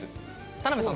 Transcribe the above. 田辺さん